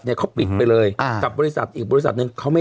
เขาปิดไปเลยอ่ากับบริษัทอีกบริษัทหนึ่งเขาไม่